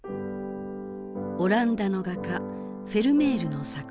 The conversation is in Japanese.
オランダの画家フェルメールの作品。